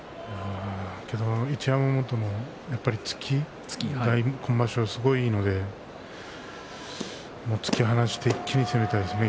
一山本もやっぱり突きが今場所はすごくいいので突き放して一気に攻めたいですね